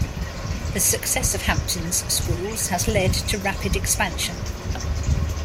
The success of Hampton's schools has led to rapid expansion.